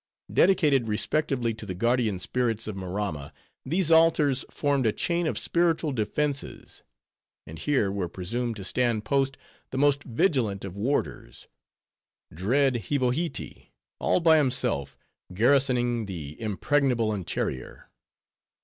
Dedicated respectively to the guardian spirits of Maramma, these altars formed a chain of spiritual defenses; and here were presumed to stand post the most vigilant of warders; dread Hivohitee, all by himself, garrisoning the impregnable interior.